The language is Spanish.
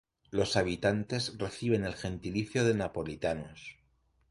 Los habitantes reciben el gentilicio de napolitanos.